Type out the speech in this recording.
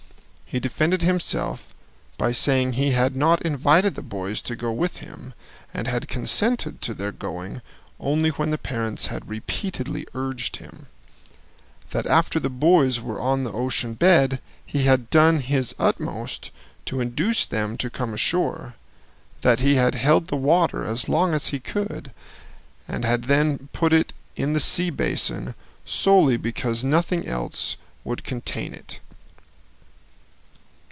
He defended himself by saying he had not invited the boys to go with him, and had consented to their going only when the parents had repeatedly urged him; that after the boys were on the ocean bed, he had done his utmost to induce them to come ashore; that he had held the water as long as he could, and had then put it in the sea basin solely because nothing else would contain it.